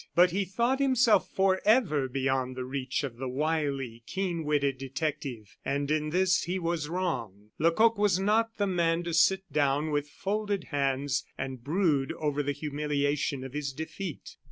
But he thought himself forever beyond the reach of the wily, keen witted detective; and in this he was wrong. Lecoq was not the man to sit down with folded hands and brood over the humiliation of his defeat.